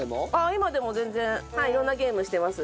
今でも全然はい色んなゲームしてます。